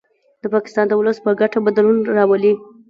د پاکستان د ولس په ګټه بدلون راولي